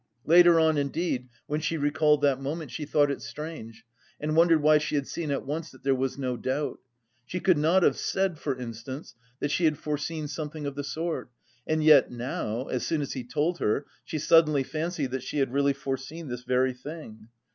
Later on, indeed, when she recalled that moment, she thought it strange and wondered why she had seen at once that there was no doubt. She could not have said, for instance, that she had foreseen something of the sort and yet now, as soon as he told her, she suddenly fancied that she had really foreseen this very thing.